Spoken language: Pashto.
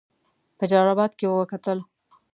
په جلا آباد کې وکتل.